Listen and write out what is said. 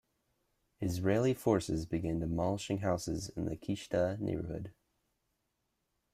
Israeli forces began demolishing houses in the Qishta neighborhood.